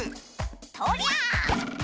とりゃあ！